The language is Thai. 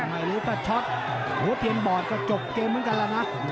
ไม่รู้ก็ช็อตหัวเทียนบอดก็จบเกมเหมือนกันแล้วนะ